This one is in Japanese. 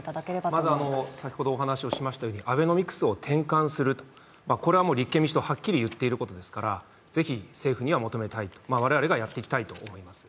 まず先ほどお話しをしましたようにアベノミクスを転換する、これは立憲民主党、はっきり言っていることですから、ぜひ、政府には求めたい、我々がやっていきたいと思います。